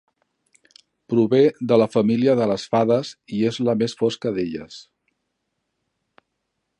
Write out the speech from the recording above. Prové de la família de les fades i és la més fosca d'elles.